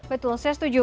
betul saya setuju